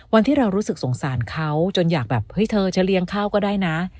วันที่เรารู้สึกสงสารเขาจนอยากแบบเฮ้ยเธอฉันเลี้ยงข้าวก็ได้นะ